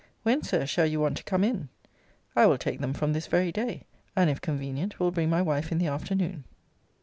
When, Sir, shall you want to come in? I will take them from this very day; and, if convenient, will bring my wife in the afternoon.